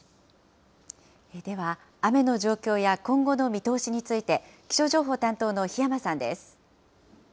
では、雨の状況や今後の見通しについて、気象情報担当の檜山さんです。